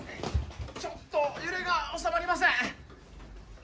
ちょっと揺れが収まりません。